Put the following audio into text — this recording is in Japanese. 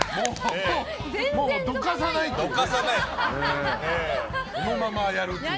もう、どかさないという。